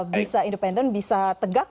bisa independen bisa tegak